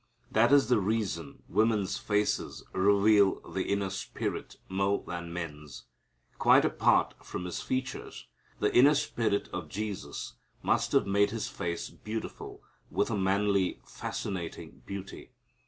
That is the reason women's faces reveal the inner spirit more than men's. Quite apart from His features, the inner spirit of Jesus must have made His face beautiful with a manly fascinating beauty.